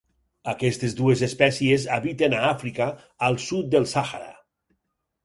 Aquestes dues espècies habiten a Àfrica, al sud del Sàhara.